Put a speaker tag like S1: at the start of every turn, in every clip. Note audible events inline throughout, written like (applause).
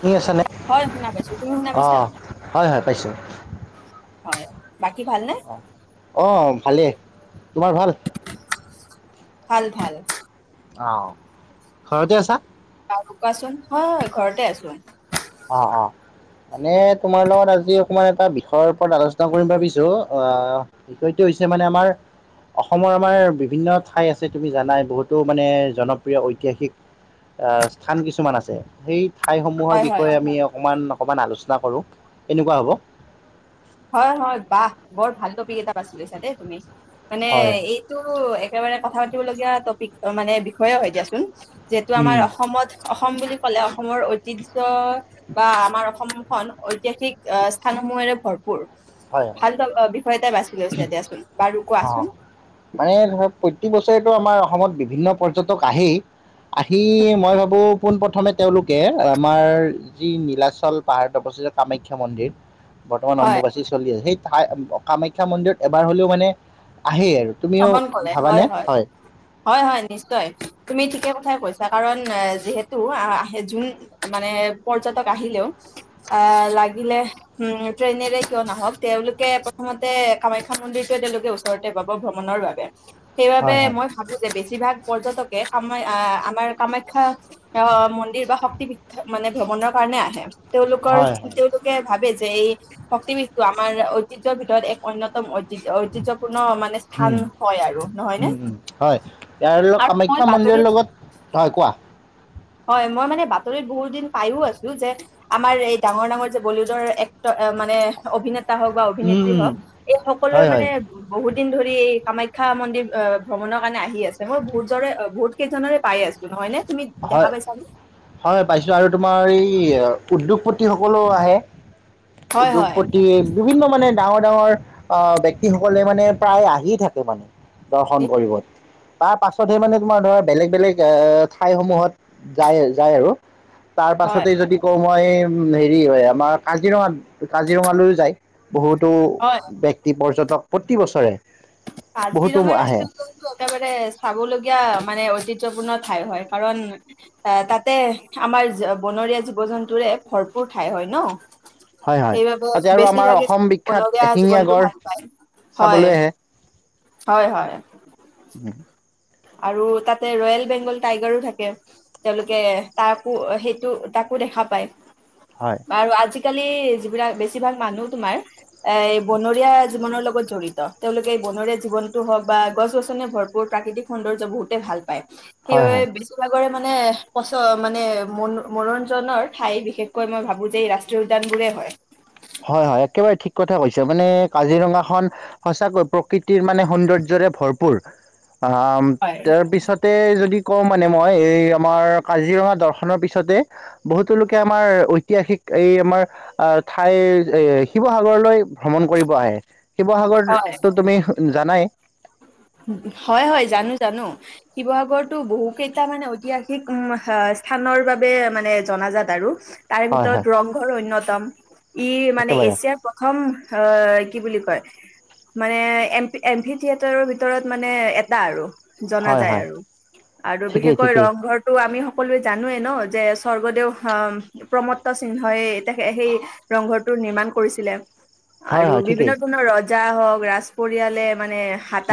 S1: শুনি আছে নে?
S2: হয় শুনা পাইছো তুমি শুনা পাইছা
S1: অ', হয় হয়, পাইছোঁ।
S2: হয়, বাকী ভালনে?
S1: অহ, অ', ভালেই, তোমাৰ ভাল?
S2: ভাল, ভাল।
S1: অ', ঘৰতেই আছা?
S2: বাৰু কোৱাচোন, হয় হয়, ঘৰতেই আছোঁ।
S1: অ', অ'। মানে তোমাৰ লগত আজি অকমান এটা বিষয়ৰ ওপৰত আলোচনা কৰিম ভাবিছো, অ' বিষয়টো হৈছে মানে আমাৰ অসমৰ আমাৰ বিভিন্ন ঠাই আছে তুমি জানাই বহুতো মানে জনপ্ৰিয় ঐতিহাসিক আহ স্থান কিছুমান আছে। সেই ঠাইসমূহৰ
S2: হয় হয়
S1: বিষয়ে আমি অকমান, অকমান আলোচনা কৰো, কেনেকুৱা হ'ব?
S2: হয় হয় বাহ বৰ ভাল টপিক এটা বাছি লৈছা দেই তুমি। মানে
S1: হয়,
S2: এই টো একেবাৰে কথা পাতিবলগীয়া টপিক মানে বিষয়ে হয় দিয়াচোন। যিহেতু আমাৰ
S1: উম,
S2: অসমত অসম বুলি ক'লে, অসমৰ ঐতিহ্য বা আমাৰ অসমখন ঐতিহাসিক আ স্থানসমূহেৰে ভৰ পূৰ
S1: হয় হয়,
S2: ভাল‌ লগ অ' বিষয় এটাই বাছি লৈছা দিয়াচোন, বাৰু
S1: অ'।
S2: কোৱাচোন
S1: মানে ধৰক প্ৰতি বছৰেটো আমাৰ অসমত বিভিন্ন পৰ্যটক আহেই আহি মই ভাবো পোন প্ৰথমে তেওঁলোকে আমাৰ যি নীলাচল পাহাৰত অৱস্থিত কামাখ্যা মন্দিৰ বৰ্তমান
S2: হয়
S1: অম্বুবাচী চলি আছে সেই ঠাই কামাখ্যা মন্দিৰত এবাৰ হলেও মানে আহেই আৰু তুমিও ভাবানে হয়
S2: হয় হয় নিশ্চয় তুমি ঠিকে কথাই কৈছা কাৰণ যিহেতু আ মানে পৰ্যটক আহিলেও আহ লাগিলে উম ট্ৰেইনেৰে কিয় নাহওক তেওঁলোকে প্ৰথমতে কামাখ্যা মন্দিৰটোয়ে তেওঁলোকে ওচৰতে পাব ভ্ৰমণৰ বাবে সেইবাবে
S1: হয় হয়
S2: মই ভাবো যে বেছিভাগ পৰ্যটকে কামা আহ আমাৰ কামাখ্যা আহ মন্দিৰ বা শক্তি বি মানে ভ্ৰমণৰ কাৰণে আহে তেওঁলোকৰ
S1: হয় হয়
S2: লোকে ভাবে যে এই শক্তি বিদটো আমাৰ ঐতিহ্যৰ ভিতৰত এক অন্যতম অ ঐতিহ্যপূৰ্ণ মানে স্থান
S1: উম
S2: হয় আৰু নহয় নে?
S1: উম উম হয় ইয়াৰ লগ
S2: আৰু মই
S1: কামাখ্যা মন্দিৰৰ
S2: বাতৰিত
S1: লগত হয় কোৱা
S2: হয় মই মানে বাতৰিত বহুত দিন পাইও আছো যে আমাৰ এই ডাঙৰ-ডাঙৰ যে বলীউডৰ এক্টৰে মানে অভিনেতা হওঁক বা
S1: উম,
S2: অভিনেত্ৰী
S1: উম,
S2: হওঁক এই সকলোৱে
S1: হয় হয়
S2: মানে বহুত দিন ধৰি এই কামাখ্যা মন্দিৰ ভ্ৰমণৰ কাৰণে আহি আছে মই বহুতৰে বহুত কেইজনেৰে পাই আছো নহয় নে তুমি দেখা
S1: হয়
S2: পাইছানে?
S1: হয় পাইছিলো আৰু তোমাৰ এই উদ্যোগপতি সকলো আহে
S2: হয় হয়।
S1: উদ্যোগপতি বিভিন্ন মানে ডাঙৰ ডাঙৰ আহ ব্যক্তিসকলে মানে প্ৰায় আহি থাকে মানে দৰ্শন কৰিব। তাৰ পাছতহে মানে তোমাৰ ধৰ বেলেগ বেলেগ এ ঠাইসমূহত যায় যায় আৰু তাৰ
S2: হয়
S1: পাছতে যদি কওঁ মই হেৰি হয় আমাৰ কাজিৰঙাত কাজিৰঙালৈও যায় বহুতো
S2: হয়
S1: ব্যক্তি পৰ্যটক প্ৰতি বছৰে বহুতো
S2: কাজিৰঙাৰ
S1: আহে
S2: ৰাষ্ট্ৰ উদ্যান একেবাৰে চাব লগীয়া মানে ঐতিহ্যপূৰ্ণ ঠাই হয় কাৰণ আহ তাতে আমাৰ বনৰীয়া জীৱ জন্তুৰে ভৰপুৰ ঠাই হয় ন।
S1: হয় হয়
S2: সেইবাব
S1: তাতে আৰু আমাৰ
S2: বেছিভাগে
S1: অসম বিখ্যাত
S2: বনৰীয়া
S1: এশিঙীয়া
S2: জীৱ-জন্তু
S1: গড়
S2: ভাল পায়।
S1: চাবলৈ
S2: হয়
S1: আহে
S2: হয় হয়।
S1: উম।
S2: আৰু তাতে ৰয়েল বেংগল টাইগাৰো থাকে। তেওঁলোকে তাকো সেইটো তাকো দেখা পায়।
S1: হয়।
S2: আৰু আজিকালি যিবিলাক বেছিভাগ মানুহ তোমাৰ এই বনৰীয়া জীৱনৰ লগত জড়িত, তেওঁলোকে এই বনৰীয়া জীৱনতটো হওক বা গছ গছনিৰে ভৰপূৰ প্ৰাকৃতিক সৌন্দৰ্য বহুতে ভাল পায়,
S1: হয়
S2: সেইবাবে
S1: হয়
S2: বেছিভাগৰ মানে পচ মানে মন-মনোৰঞ্জনৰ ঠাই বিশেষকৈ মই ভাবো যে এই ৰাস্ত যোগদান বোৰে হয়।
S1: হয়, হয় একেবাৰে ঠিক কথা কৈছা মানে কাজিৰঙাখন সঁচাকৈ প্ৰকৃতিৰ মানে সৌন্দৰ্যৰে ভৰপূৰ, আহ
S2: হয়,
S1: তাৰপিছত তে যদি কওঁ মানে মই এই আমাৰ কাজিৰঙা দৰ্শনৰ পিছতে বহুতো লোকে আমাৰ ঐতিহাসিক এই আমাৰ আহ ঠাইৰ এ শিৱসাগৰলৈ ভ্ৰমণ কৰিব আহে, শিৱসাগৰত
S2: হয়।
S1: তো-তুমি জানাই।
S2: হয়, হয়! জানো, জানো। শিৱসাগৰতটো বহু কেইটা মানে ঐতিহাসিক, আহ' স্থানৰ বাবে মানে জনাজাত আৰু। তাৰে
S1: হয়
S2: ভিতৰত
S1: হয়
S2: ৰংঘৰ অন্যতম, ই মানে
S1: একেবাৰে
S2: এছিয়াৰ প্ৰ থম কি বুলি কয়, মানে এপি এম ভি থিয়েটাৰৰ ভিতৰত মানে এটা আৰু জনা
S1: হয়
S2: যায়
S1: হয়
S2: আৰু, আৰু
S1: ঠিকেই
S2: বিশেষকৈ
S1: ঠিকেই
S2: ৰংঘৰত টো আমি সকলোৱে জানোৱেই ন যে স্বৰ্গদেউ অহ প্ৰমত্ত সিংহই তে সেই ৰংঘৰটো নিৰ্মাণ কৰিছিলে।
S1: হয়
S2: আৰু
S1: হয় ঠিকেই
S2: বিভিন্ন ধৰণৰ ৰজা হওক ৰাজ পৰিয়ালে মানে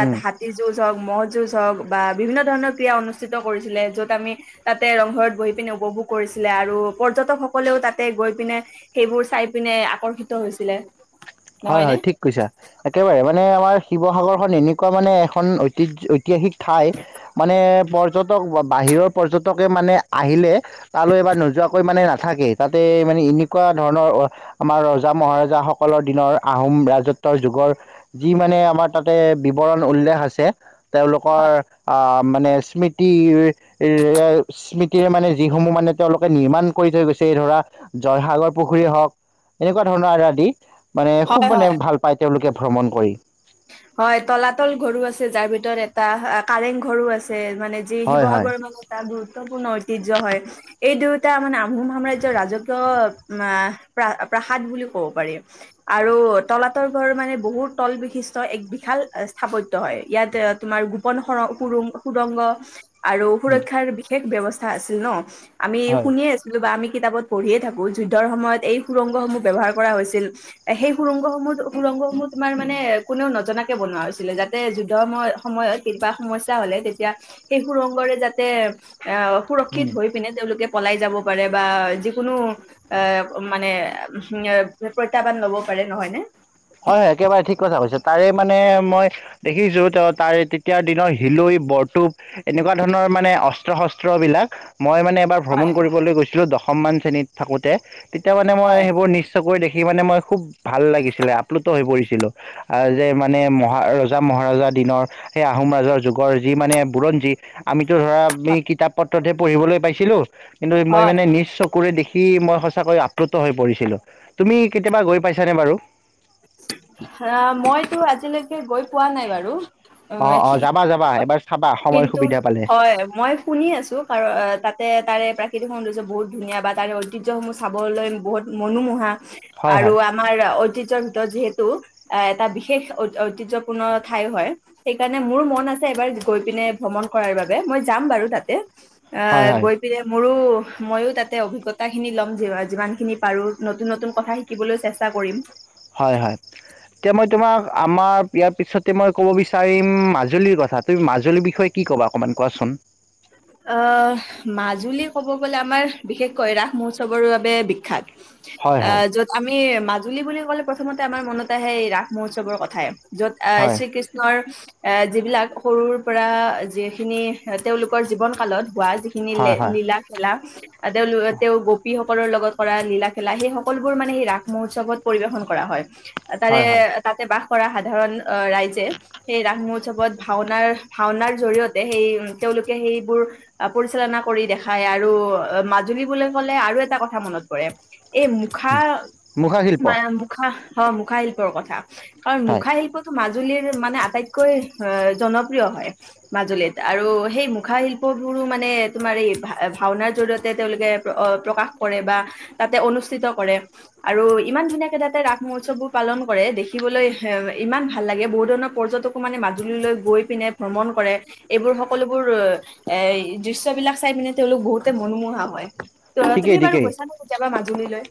S1: উম।
S2: হাত তি যুঁজ হওক, মহ যুঁজ হওক বা বিভিন্ন ধৰণৰ ক্ৰীড়া অনুষ্ঠিত কৰিছিলে য'ত আমি তাতে ৰংঘৰত বহি পিনে উপভোগ কৰিছিলে আৰু পৰ্যটকসকলেও তাতে গৈ পিনে সেইবোৰ চাই পিনে আকৰ্ষিত হৈছিলে।
S1: হয়,
S2: নহয়নে
S1: হয় ঠিক কৈছা একেবাৰে মানে আমাৰ শিৱসাগৰখন এনেকুৱা মানে এখন ঐতিহ্য-ঐতিহাসিক ঠাই মানে পৰ্যটক, বা-বাহিৰৰ পৰ্যটকে মানে আহিলে তালৈ এবাৰ নোযোৱাকৈ মানে নাথাকে তাতে মানে এনেকুৱা ধৰণৰ আমাৰ ৰজা মহাৰজাসকলৰ দিনৰ আহোম ৰাজত্বৰ যুগৰ যি মানে আমাৰ তাতে বিৱৰণ উল্লেখ আছে তেওঁলোকৰ আ মানে স্মৃতি এ স্মৃতিৰে মানে যিসমূহ মানে তেওঁলোকে নিৰ্মাণ কৰি থৈ গৈছে, এই ধৰা জয়সাগৰ পুখুৰীয়ে হওক, এনেকুৱা ধৰণৰ আ-আদি। মানে খুব
S2: হয়
S1: মানে
S2: হয়
S1: ভাল পায় তেওঁলোকে ভ্ৰমণ কৰি।
S2: হয় তলাতল ঘৰো আছে যাৰ ভিতৰত এটা কাৰেং ঘৰো আছে মানে যি
S1: হয় হয়।
S2: শিৱসাগৰৰ মানে এটা গুৰুত্বপূৰ্ণ ঐতিহ্য হয়। এই দুয়টা মানে আহোম সাম্ৰাজ্য়ৰ ৰাজকীয় প্ৰ প্ৰাসাদ বুলি কব পাৰি। আৰু তলাতৰ ঘৰ মানে বহুত তল বিশিষ্ট এক বিশাল স্থাপত্য হয় ইয়াত তোমাৰ গোপনং সৰ সো- সুৰুন সুৰংগ আৰু
S1: উম
S2: সুৰক্ষাৰ বিশেষ ব্যৱস্থা আছিল ন, আমি
S1: হয়
S2: শুনিয়ে আছো বা আমি কিতাপত পঢ়িয়ে থাকো যুদ্ধৰ সময়ত এই সুৰংগসমূহ ব্যৱহাৰ কৰা হৈছিল। সেই সুৰংগসমূহত সুৰংগসমূহ তোমাৰ মানে কোনেও নজনাকে বনোৱা হৈছিলে যাতে যুদ্ধৰ সময় সময়ত কেতিয়াবা সমস্যা হ'লে তেতিয়া সেই সুৰংগৰে যাতে আহ সুৰক্ষিত
S1: উম।
S2: হৈ পিনে তেওঁলোকে পলাই যাব পাৰে বা যিকোনো এ মানে এ প্ৰত্যাহ্বান লব পাৰে নহয় নে।
S1: হয়, একেবাৰে ঠিক কথা কৈছো, তাৰে মানে মই দেখিছো তেওঁ তাৰে তেতিয়াৰ দিনৰ হিলৈ, বৰটোুপ এনেকুৱা ধৰণৰ মানে অস্ত্ৰ-শস্ত্ৰবিলাক মই মানে এবাৰ
S2: হয়
S1: ভ্ৰমণ কৰিবলৈ গৈছিলোঁ দশমমান শ্ৰেণীত থাকোঁতে, তেতিয়া মানে মই
S2: হয়।
S1: সেইবোৰ নি নিজ চকুৰে দেখি মানে মই খুৱ ভাল লাগিছিলে, আপ্লুত হৈ পৰিছিলোঁ। আহ, যে মানে মহা-ৰজা, মহাৰজা দিনৰ সেই আহোম ৰাজৰ যুগৰ যি মানে বুৰঞ্জী আমিতো ধৰা, (unintelligible) কিতাপ পত্ৰতহে পঢ়িবলৈ পাইছিলোঁ, কিন্তু মই
S2: হয়
S1: মানে নিজ চকুৰে ৰে দেখি মই সঁচাকৈ আপ্লুত হৈ পৰিছিলোঁ। তুমি কেতিয়াবা গৈ পাইছানে বাৰু?
S2: অ', মইতো আজিলৈকে গৈ পোৱা নাই বাৰু।
S1: অ', অ', যাবা, যাবা এবাৰ চাবা সময়
S2: কিন্তু
S1: সুবিধা পালে।
S2: হয় মই শুনি আছোঁ, কাৰণ তাতে তাৰে প্ৰাকৃতিক সৌন্দৰ্য বহুত ধুনীয়া বা তাৰে ঐতিহ্যসমূহ চাবলৈ বহুত মনোমোহা
S1: হয়
S2: আৰু
S1: হয়
S2: আমাৰ ঐতিহ্য ভিতৰত যিহেতু আ, এটা বিশেষ ঐতিহ্যপূৰ্ণ ঠাই হয়, সেইকাৰণে মোৰ মন আছে এবাৰ গৈ পিনে ভ্ৰমণ কৰাৰ বাবে, মই যাম বাৰু তাতে। আ,
S1: হয় হয়
S2: গৈ মোৰো ময়ো তাতে অভিজ্ঞতাখিনি ল'ম গে, যিমানখিনি পাৰোঁ। নতুন, নতুন কথা শিকি শিকিবলৈ চেষ্টা কৰিম।
S1: হয়, হয়। এতিয়া, মই তোমাক আমাৰ ইয়াৰ পিছতে মই ক'ব বিচাৰিম, মাজুলীৰ কথা তুমি মাজুলীৰ বিষয়ে কি ক'বা, অকণমান কোৱাচোন।
S2: অ', মাজুলী ক'ব গ'লে আমাৰ বিশেষকৈ ৰাস মহোৎসৱৰ বাবে বিখ্যাত।
S1: হয় হয়
S2: অ', য'ত আমি মাজুলী বুলি ক'লে প্ৰথমতে আমাৰ মনত আহে এই ৰাস মহোৎসৱৰ কথাই। য'ত আহ,
S1: হয়
S2: শ্ৰী কৃষ্ণৰ এ, যিবিলাক সৰুৰ পৰা যিখিনি তেওঁলোকৰ জীৱন কালত হোৱা যিখিনি
S1: হয় হয়
S2: লীলা-খেলা, তেওঁলোক তেওঁ গোপীসকল সকলৰ লগত কৰা লীলা খেলা সেই সকলোবোৰ মানে এই ৰাস মহোৎসৱত পৰিবেশন কৰা হয়। তাৰে
S1: হয় হয়
S2: তাতে বাস কৰা সাধাৰণ অ', ৰাইজে সেই ৰাস মহোৎসৱত ভাওনাৰ, ভাওনাৰ জৰিয়তে সেই তেওঁলোকে সেইবোৰ পৰিচালনা কৰি দেখাই আৰু মাজুলী বুলি ক'লে আৰু এটা কথা মনত পৰে! এই মুখা
S1: মুখা শিল্প
S2: মানে মুখা অ', মুখা শিল্পৰ কথা। কাৰণ
S1: হয়
S2: মুখা শিল্প মাজুলীৰ মানে আটাইতকৈ অ', জনপ্ৰিয় হয়, মাজুলীত আৰু সেই মুখাশিল্পবোৰো মানে তোমাৰ এই ভা-ভাওনাৰ জৰিয়তে তেওঁলোকে প্ৰকাশ কৰে, বা তাতে অনুষ্ঠিত কৰে। আৰু ইমান ধুনীয়াকে তাতে ৰাস মহোৎসৱবোৰ পালন কৰে, দেখিবলৈ এ, ইমান ভাল লাগে। বহু ধৰণৰ পৰ্যটক মানে মাজুলীলৈ গৈ পিনে ভ্ৰমণ কৰে, এইবোৰ সকলোবোৰ এ, দৃশ্যবিলাক চাই পিনে তেওঁলোক বহুতে মনোমোহা হয়। ত'
S1: ঠিকেই
S2: তুমি বাৰু
S1: ঠিকেই
S2: গৈছানে কেতিয়াবা মাজুলীলৈ?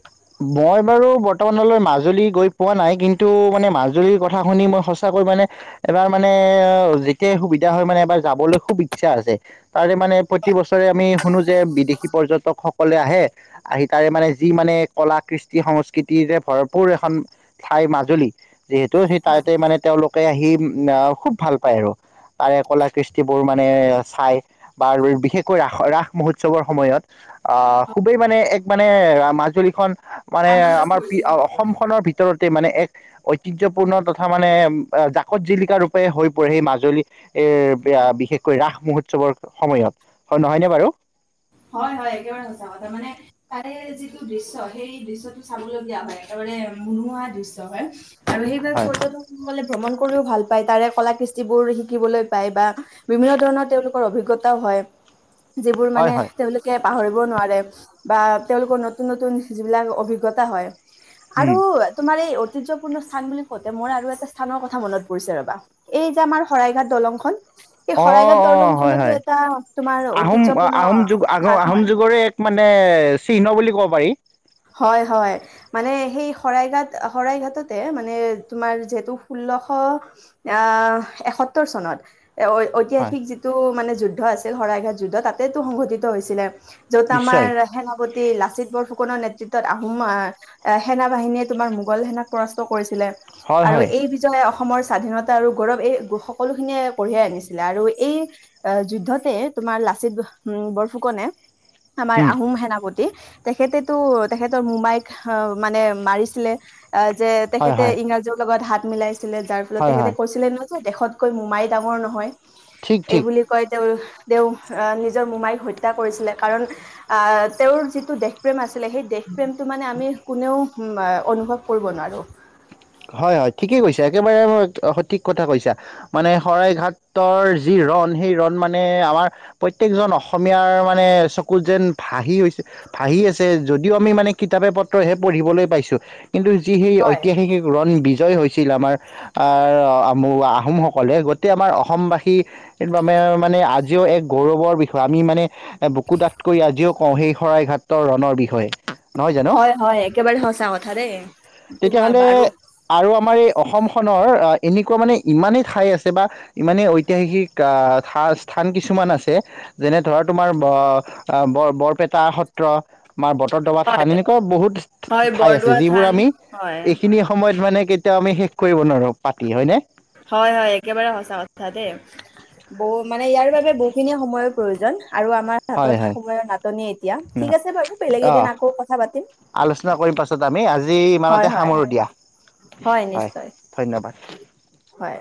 S1: মই বাৰু বৰ্তমানলৈ মাজুলী গৈ পোৱা নাই, কিন্তু মানে মাজুলীৰ কথা শুনি মই সঁচাকৈ মানে এবাৰ মানে যেতিয়া সুবিধা হয়, মানে এবাৰ যাবলৈ খুব ইচ্ছা আছে। তাৰে মানে প্ৰতি বছৰে আমি শুনো যে বিদেশী পৰ্যটক সকলে আহে। আহি তাৰে মানে যি মানে কলা কৃষ্টি সংস্কৃতি যে ভৰপৰ এখন ঠাই মাজুলী! যিহেতু সেই তাতে মানে তেওঁলোকে আহি অ', খুব ভাল পায় আৰু। তাৰে কলা কৃষ্টিবোৰ মানে চাই। বা-বিশেষকৈ ৰাস, ৰাস মহোৎসৱৰ সময়ত। আহ, খুবেই মানে এক মানে মাজুলীখন মানে
S2: আনন্দ
S1: আমাৰ
S2: কৰিছিল
S1: অসম খনৰ ভিতৰত ভিতৰতে মানে এক ঐতিহ্যপূৰ্ণ তথা মানে জাকত জিলিকা ৰূপে হৈ পৰে এই মাজুলী এ, বিশেষকৈ ৰাস মহোৎসৱৰ সময়ত, হয় নহয়নে বাৰু।
S2: হয়', হয়', একেবাৰে সঁচা কথা মানে তাৰে যিটো দৃশ্য সেই দৃশ্যটো চাবলগীয়া হয়, একেবাৰে মুনোহা দৃশ্য হয় আৰু সেইবাবে
S1: হয়
S2: পৰ্যটক সকলে ভ্ৰমণ কৰিও ভাল পায় তাৰে কলা কৃষ্টিবোৰ শিকিবলৈ পায় বা বিভিন্ন ধৰণৰ তেওঁলোকৰ অভিজ্ঞতাও হয় যিবোৰ
S1: হয়
S2: মানে
S1: হয়
S2: তেওঁলোকে পাহৰিব নোৱাৰে বা তেওঁলোকৰ নতুন নতুন যিবিলাক অভিজ্ঞতা হয়
S1: উম
S2: আৰু তোমাৰ এই ঐতিহ্যপূৰ্ণ স্থান বুলি কওঁতে মোৰ আৰু এটা স্থানৰ কথা মনত পৰিছে ৰ'বা এই যে আমাৰ শৰাইঘাট দলংখন এই
S1: অ
S2: শৰাইঘাট
S1: অ
S2: দলং
S1: হয়
S2: খনতো
S1: হয়
S2: এটা তোমাৰ ঐতিহ্যপূৰ্ণ
S1: আগৰ
S2: স্থান
S1: আহোম
S2: হয়
S1: যুগৰে এক মানে চিহ্ন বুলি ক'ব পাৰি
S2: হয়', হয়' মানে সেই শৰাইঘাট শৰাইঘাটতে মানে তোমাৰ যিহেতু ষোল্লশ অ', এসত্তৰ চনত এ
S1: হয়
S2: ঐতিহাসিক যিটো মানে যুদ্ধ আছিল শৰাইঘাট যুদ্ধ তাতেটো সংঘটিত হৈছিলে য'ত আমাৰ
S1: নিশ্চয়
S2: সেনাপতি লাচিত বৰফুকনৰ নেত আহোম আহ সেনা বাহিনীয়ে তোমাৰ মোগল সেনাক পৰাস্ত কৰিছিলে
S1: হয়
S2: আৰু
S1: হয়
S2: এই অসমৰ স্বাধীনতা আৰু গৌৰৱ এই সকলোখিনিয়ে কঢ়িয়াই আনিছিলে আৰু এই আহ যুদ্ধতে তোমাৰ লাচিত বৰফুকনে। আমাৰ
S1: উম
S2: আহোম সেনাপতি তেখেতেতো তেখেতৰ মোমায়ে ক মানে মাৰিছিলে যে
S1: হয়
S2: তেখেতে
S1: হয়
S2: ইংৰাজও লগত হাত মিলাই ছিলে যাৰ ফলত
S1: হয়
S2: তেখেতে
S1: হয়
S2: কৈছিলে ন যে দেশতকৈ মোমাই ডাঙৰ নহয়,
S1: ঠিক
S2: এই
S1: ঠিক
S2: বুলি কয় তেওঁ তেওঁ নিজৰ মোমাইক হত্যা কৰিছিলে কাৰণ অ', তেওঁৰ যিটো দেশপ্ৰেম আছিলে সেই দেশ প্ৰেমটো মানে আমি কোনেও অনুভৱ কৰিব নোৱাৰোঁ
S1: হয়', হয়', ঠিকেই কৈছা একেবাৰে ম সঠিক কথা কৈছা। মানে শৰাই ঘাটৰ যি ৰণ সেই ৰণ মানে আমাৰ প্ৰত্যেকজন অসমীয়াৰ মানে চকুত যেন বাহি গৈছে ভাহি আছে, যদিও আমি মানে কিতাপে পত্ৰইহে পঢ়িবলৈ পাইছো, কিন্তু যি সেই
S2: হয়
S1: ঐতিহাসিক ৰণ বিজয় হৈছিল আমাৰ আহোমসকলে, গোটেই আমাৰ অসমবাসী সেইটো মানে আজিও এক গৌৰৱৰ বিষয় আমি মানে বুকু ডাঠ কৰি আজিও কওঁ সেই শৰাইঘাটৰ ৰণৰ বিষয়ে। নহয় জানো
S2: হয়', হয়', একেবাৰে সঁচা কথা দেই, তোমাৰ
S1: তেতিয়াহ'লে
S2: বাৰু
S1: আৰু আমাৰ এই অসমখনৰ এনেকুৱা মানে ইমানেই ঠাই আছে বা ইমানে ঐতিহাসিক অ', থা স্থান কিছুমান আছে যেনে ধৰা তোমাৰ ব বৰ বৰপেটা সত ত্ৰ বা বত্ৰদোৱা থান,
S2: হয়
S1: এনেকুৱা বহুত
S2: হয়
S1: ঠাই আছে
S2: বৰদোৱা
S1: যিবোৰ
S2: থান
S1: আমি
S2: হয়
S1: এইখিনি সময়ত মানে কেতিয়াও আমি শেষ কৰিব নোৱাৰো পাতি হয়নে।
S2: হয়', হয়', একেবাৰে সঁচা কথা দে বহ মানে ইয়াৰ বাবে বহুখিনি সময়ৰ প্ৰয়োজন আৰু আমাৰ
S1: হয়
S2: হাতত
S1: হয়
S2: সময়ৰ নাটনি এতিয়া, ঠিক আছে বাৰু বেলেগ
S1: অঁ
S2: এদিন আকৌ কথা পাতিম
S1: আলোচনা কৰিম পাছত আমি আজি
S2: হয়
S1: ইমানতে
S2: হয়
S1: সামৰো দিয়া, হয়', ধন্যবাদ।
S2: হয়'